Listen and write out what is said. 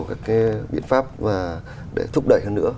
các cái biện pháp và để thúc đẩy hơn nữa